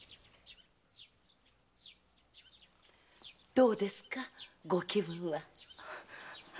どうですかご気分は？